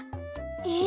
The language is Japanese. え！